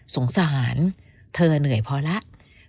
สงสารเธอเหนื่อยพอแล้ว